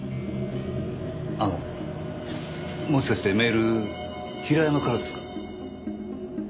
あのもしかしてメール平山からですか？